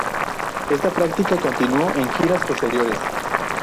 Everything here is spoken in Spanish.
Esta práctica continuó en giras posteriores.